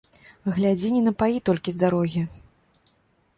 Глядзі не напаі толькі з дарогі.